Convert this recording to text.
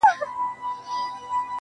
زه به په فکر وم، چي څنگه مو سميږي ژوند.